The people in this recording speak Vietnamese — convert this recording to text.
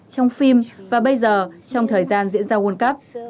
trong phim và bây giờ trong thời gian diễn ra world cup